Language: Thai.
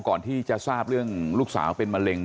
ก่อนที่จะทราบเรื่องลูกสาวเป็นมะเร็ง